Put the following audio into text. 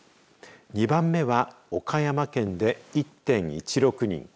２番目は岡山県で１．１６人